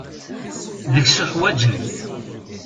Deg-s uḥwaǧen.